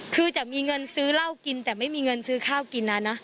คือจะมีเงินซื้อเหล้ากินแต่ไม่มีเงินซื้อข้าวกินนะนะ